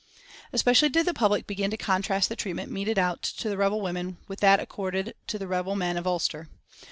Especially did the public begin to contrast the treatment meted out to the rebel women with that accorded to the rebel men of Ulster.